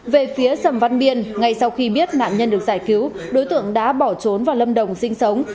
về phía sầm văn biên ngay sau khi biết nạn nhân được giải cứu đối tượng đã bỏ trốn vào lâm đồng sinh sống